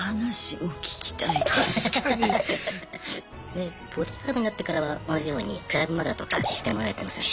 でボディーガードになってからは同じようにクラブマガとかシステマをやってましたね。